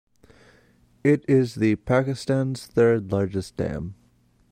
It is the Pakistan's third largest dam.